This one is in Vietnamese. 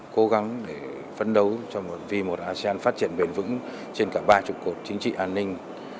cố gắng để phấn đấu vì một asean phát triển bền vững trên cả ba mươi cột chính trị an ninh